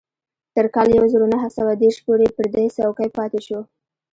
تر کال يو زر و نهه سوه دېرش پورې پر دې څوکۍ پاتې شو.